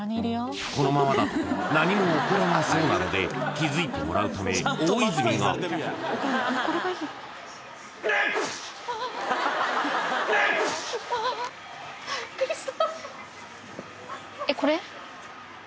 このままだと何も起こらなそうなので気づいてもらうため大泉がえっこれがいいえっこれ？